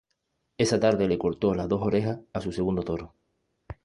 Esa tarde le cortó las dos orejas a su segundo toro.